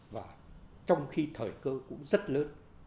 và trong khi thời cơ cũng rất lớn